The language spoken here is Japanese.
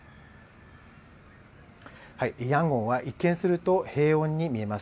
ヤンゴンは一見すると平穏に見えます。